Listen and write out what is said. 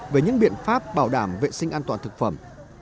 về những biện pháp bảo đảm vệ sinh an toàn thực phẩm